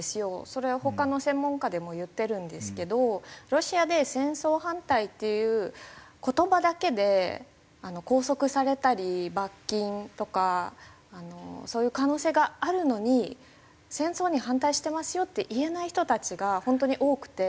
それは他の専門家でも言ってるんですけどロシアで「戦争反対」っていう言葉だけで拘束されたり罰金とかそういう可能性があるのに「戦争に反対してますよ」って言えない人たちが本当に多くて。